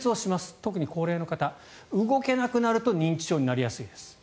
特に高齢の方、動けなくなると認知症になりやすいです。